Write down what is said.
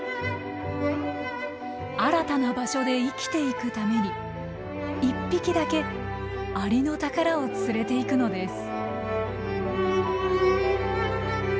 新たな場所で生きていくために１匹だけアリノタカラを連れていくのです。